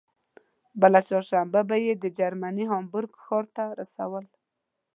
بله چهارشنبه به یې د جرمني هامبورګ ښار ته رسول.